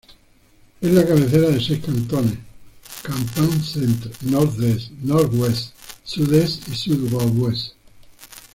Es la cabecera de seis cantones: Campagne, Centre, Nord-Est, Nord-Ouest, Sud-Est y Sud-Ouest.